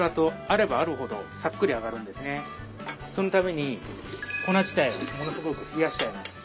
そのために粉自体をものすごく冷やしちゃいます。